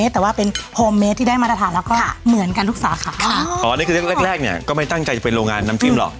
แต่ว่าเป็นโฮมเมสที่ได้มาตรฐานแล้วก็เหมือนกันทุกสาขาค่ะอ๋อนี่คือแรกแรกแรกเนี่ยก็ไม่ตั้งใจจะเป็นโรงงานน้ำจิ้มหรอก